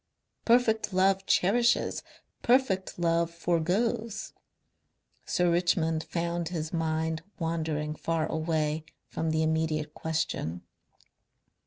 "Perfect love cherishes. Perfect love foregoes." Sir Richmond found his mind wandering far away from the immediate question.